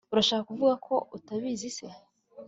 urashaka kuvuga ko utabizi se